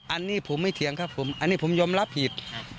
อันนี้ผมไม่เถียงครับผมอันนี้ผมยอมรับผิด